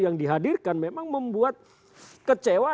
yang dihadirkan memang membuat kecewa